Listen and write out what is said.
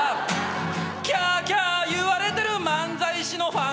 「キャーキャー言われてる漫才師のファンに」